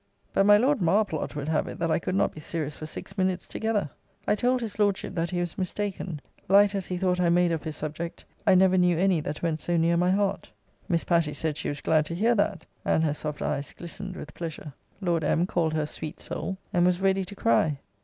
But my Lord Marplot would have it that I could not be serious for six minutes together. I told his Lordship that he was mistaken; light as he thought I made of his subject, I never knew any that went so near my heart. Miss Patty said she was glad to hear that: and her soft eyes glistened with pleasure. Lord M. called her sweet soul, and was ready to cry.